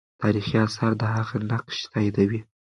تاریخي آثار د هغې نقش تاییدوي.